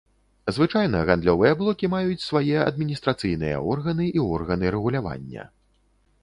Звычайна гандлёвыя блокі маюць свае адміністрацыйныя органы і органы рэгулявання.